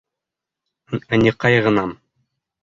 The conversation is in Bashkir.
Ынйыҡайғынам.